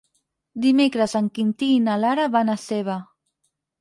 Dimecres en Quintí i na Lara van a Seva.